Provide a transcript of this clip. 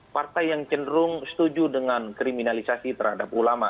partai yang cenderung setuju dengan kriminalisasi terhadap ulama